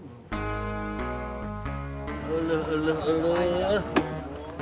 alah alah alah